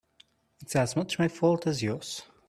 It's as much my fault as yours.